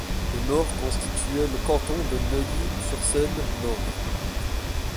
Le nord constituait le canton de Neuilly-sur-Seine-Nord.